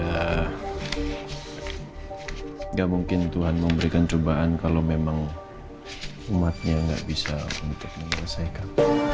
enggak mungkin tuhan memberikan cobaan kalau memang umatnya enggak bisa untuk mengelesaikan